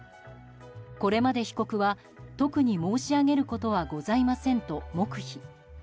これまで被告は特に申し上げることはございませんと黙秘。